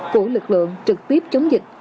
của lực lượng trực tiếp chống dịch